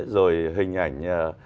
rồi hình ảnh